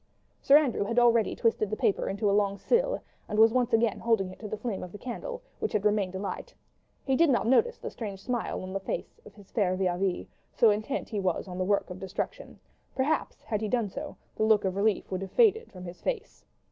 Sir Andrew had already twisted the paper into a long spill, and was once again holding it to the flame of the candle, which had remained alight. He did not notice the strange smile on the face of his fair vis à vis, so intent was he on the work of destruction; perhaps, had he done so, the look of relief would have faded from his face.